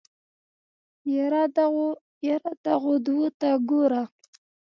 يره دغو دوو ته ګوره.